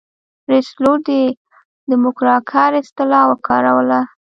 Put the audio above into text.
روزولټ د موکراکر اصطلاح وکاروله.